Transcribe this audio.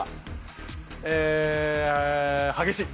激しい。